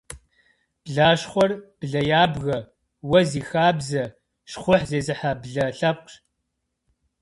Блащхъуэр блэ ябгэ, уэ зи хабзэ, щхъухь зезыхьэ блэ лъэпкъщ.